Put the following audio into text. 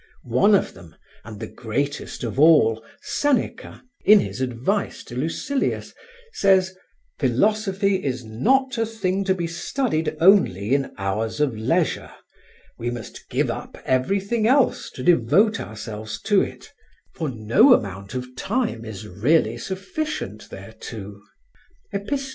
One of them, and the greatest of all, Seneca, in his advice to Lucilius, says: "Philosophy is not a thing to be studied only in hours of leisure; we must give up everything else to devote ourselves to it, for no amount of time is really sufficient thereto" (Epist.